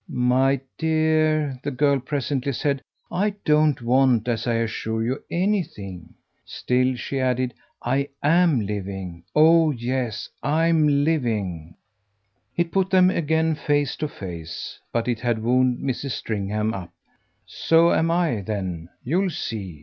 "My dear," the girl presently said, "I don't 'want,' as I assure you, anything. Still," she added, "I AM living. Oh yes, I'm living." It put them again face to face, but it had wound Mrs. Stringham up. "So am I then, you'll see!"